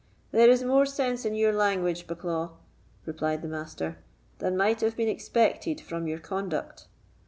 "There is more sense in your language, Bucklaw," replied the Master, "than might have been expected from your conduct.